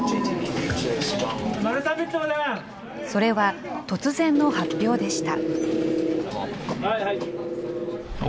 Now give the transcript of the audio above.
それは突然の発表でした。